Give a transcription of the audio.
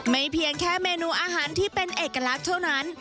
เพียงแค่เมนูอาหารที่เป็นเอกลักษณ์เท่านั้น